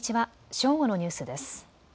正午のニュースです。